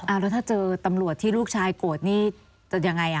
แล้วถ้าเจอตำรวจที่ลูกชายโกรธนี่จะยังไงอ่ะ